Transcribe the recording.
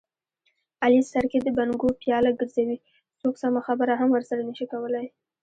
علي سر کې د بنګو پیاله ګرځوي، څوک سمه خبره هم ورسره نشي کولی.